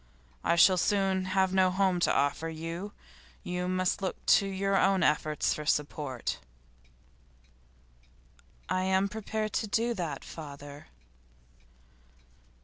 I shall soon have no home to offer you; you must look to your own efforts for support.' 'I am prepared to do that, father.